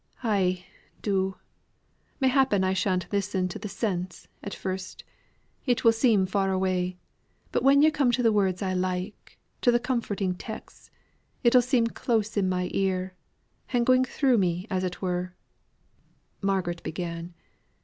"Ay, do! M'appen I shan't listen to th' sense, at first; it will seem far away but when yo' come to words I like to th' comforting texts it'll seem close in my ear, and going through me as it were." Margaret began.